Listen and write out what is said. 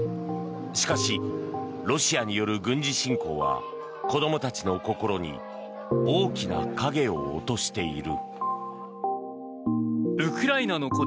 しかし、ロシアによる軍事侵攻は子供たちの心に大きな影を落としている。